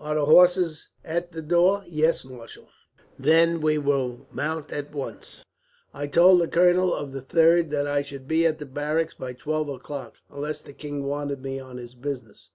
"Are the horses at the door?" "Yes, marshal." "Then we will mount at once. I told the colonel of the 3rd that I should be at the barracks by twelve o'clock, unless the king wanted me on his business."